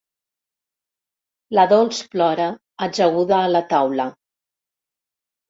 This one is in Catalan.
La Dols plora, ajaguda a la taula.